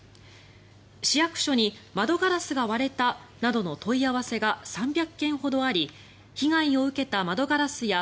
市役所に窓ガラスが割れたなどの問い合わせが３００件ほどあり被害を受けた窓ガラスや